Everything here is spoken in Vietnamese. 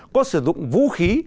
có sử dụng vũ khí